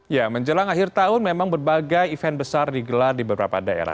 ya menjelang akhir tahun memang berbagai event besar digelar di beberapa daerah